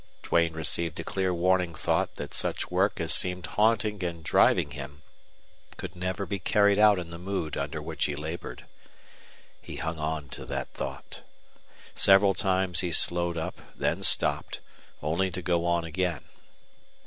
Duane received a clear warning thought that such work as seemed haunting and driving him could never be carried out in the mood under which he labored. He hung on to that thought. Several times he slowed up, then stopped, only to go on again.